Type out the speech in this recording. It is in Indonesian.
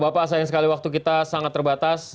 bapak sayang sekali waktu kita sangat terbatas